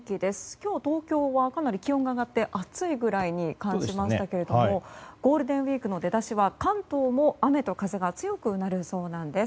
今日、東京はかなり気温が上がって暑いくらいに感じましたけどもゴールデンウィークの出だしは関東も雨と風が強くなるそうなんです。